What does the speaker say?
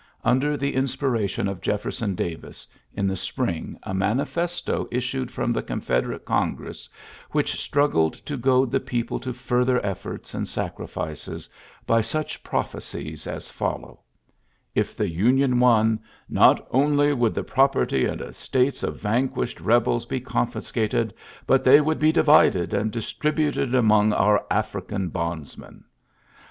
Under the inspi ration of Jefferson Davis^ in the spring a manifesto issued from the Confederate Congress, which struggled to goad the people to farther efforts and sacrifices by such prophecies as follow: If the Union won, '*not only would the prop erty and estates of vanquished rebels be confiscated, but they would be divided and distributed among our AfricaD bondsmen.